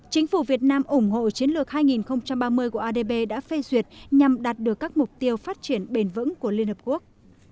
chính phủ việt nam ủng hộ chiến lược hai nghìn ba mươi của adb đã phê duyệt nhằm đạt được các mục tiêu phát triển bền vững của liên hợp quốc